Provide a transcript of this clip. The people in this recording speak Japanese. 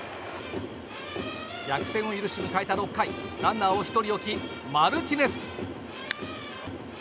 逆転を許し、迎えた６回ランナーを１人置きマルティネス。